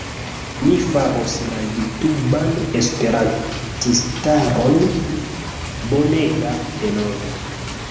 Mi faros la jutuban esperantistaron bonega denove!!